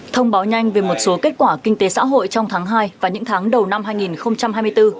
thông báo nhanh về một số kết quả kinh tế xã hội trong tháng hai và những tháng đầu năm hai nghìn hai mươi bốn